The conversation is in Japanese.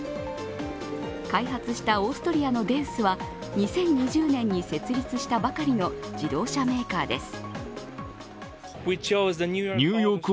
開発したオーストリアのデウスは２０２０年に設立したばかりの自動車メーカーです。